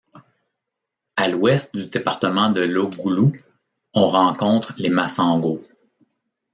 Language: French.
À l'ouest du département de l'Ogoulou, on rencontre les Massango.